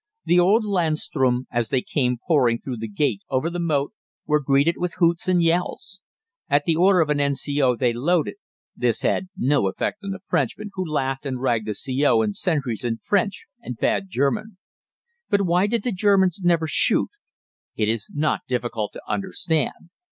The old Landsturm, as they came pouring through the gate over the moat, were greeted with hoots and yells. At the order of an N.C.O. they loaded this had no effect on the Frenchmen, who laughed and ragged the C.O. and sentries in French and bad German. But why did the Germans never shoot? It is not difficult to understand.